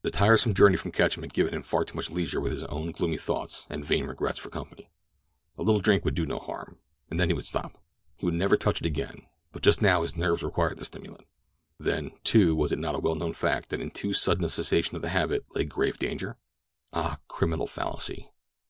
The tiresome journey from Ketchum had given him far too much leisure with only his own gloomy thoughts and vain regrets for company. A little drink would do no harm—then he would stop. He would never touch it again; but just now his nerves required the stimulant. Then, too, was it not a well known fact that in too sudden a cessation of the habit lay grave danger? Ah, criminal fallacy!